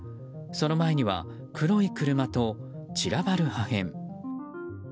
その前には黒い車と散らばる破片。